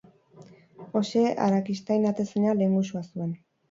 Jose Arakistain atezaina lehengusua zuen.